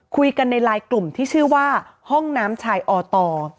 คุยกันในไลน์กลุ่มที่ชื่อว่าห้องน้ำชายอต